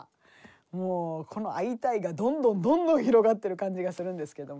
もうこの「アイタイ！」がどんどんどんどん広がってる感じがするんですけども。